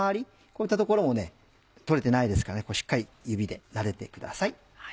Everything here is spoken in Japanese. こういった所も取れてないですからしっかり指でなでてください。